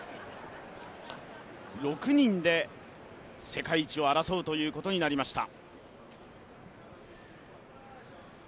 ６人で世界一を争うということになりました。